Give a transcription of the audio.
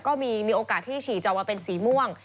ก็มีโอกาสที่ฉี่จะออกมาเป็นสีม่วง